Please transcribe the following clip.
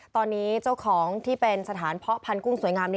ตอนนี้เจ้าของที่เป็นสถานเพาะพันธุ้งสวยงามนี้